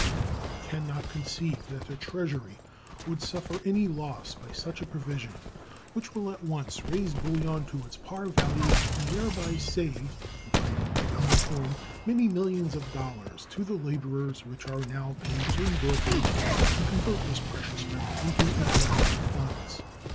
I can not conceive that the Treasury would suffer any loss by such a provision, which will at once raise bullion to its par value, and thereby save (if I am rightly informed) many millions of dollars to the laborers which are now paid in brokerage to convert this precious metal into available funds.